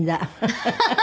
ハハハハ。